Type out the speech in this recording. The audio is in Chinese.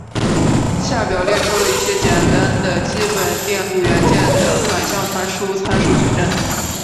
下表列出了一些简单的基本电路元件的反向传输参数矩阵。